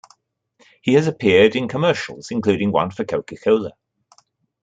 He has appeared in commercials, including one for Coca-Cola.